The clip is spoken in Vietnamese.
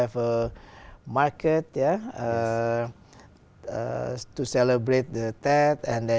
vậy chúng ta có thể học nhau